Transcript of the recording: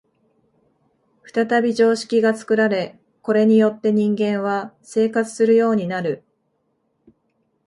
再び常識が作られ、これによって人間は生活するようになる。